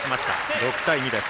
６対２です。